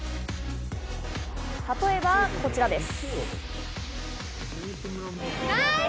例えばこちらです。